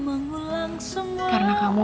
mengulang semua harimu